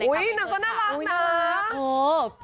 อุ้ยมันก็น่ารักนะ